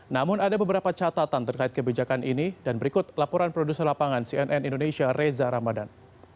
namun ada beberapa catatan terkait kebijakan ini dan berikut laporan produser lapangan cnn indonesia reza ramadan